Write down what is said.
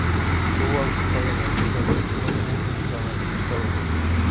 Fue bautizado en la iglesia de Omnium Sanctorum.